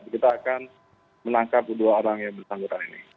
kita akan menangkap dua orang yang bersangkutan ini